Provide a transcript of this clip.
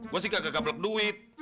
gue sih gak kegeblok duit